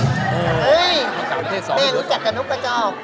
เฮ้ยเฮ้ยผมรู้จักกับนกกระจอก